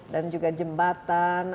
dan juga jembatan